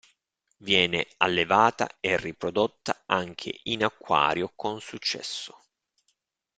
Viene allevata e riprodotta anche in acquario con successo.